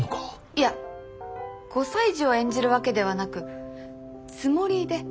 いや５歳児を演じるわけではなく「つもり」で。